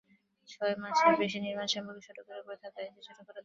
ছয় মাসের বেশি নির্মাণসামগ্রী সড়কের ওপর থাকায় সেখানে ছোটখাটো দুর্ঘটনা ঘটেছে।